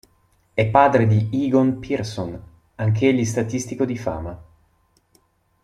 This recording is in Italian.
È padre di Egon Pearson, anch'egli statistico di fama.